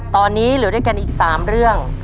ตอนนี้เหลือด้วยกันอีก๓เรื่อง